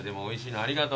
ありがとう。